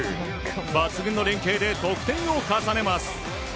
抜群の連係で得点を重ねます。